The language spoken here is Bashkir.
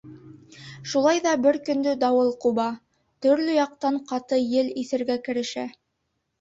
Шулай ҙа бер көндө дауыл ҡуба, төрлө яҡтан ҡаты ел иҫергә керешә.